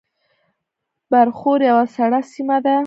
برښور یوه سړه سیمه ده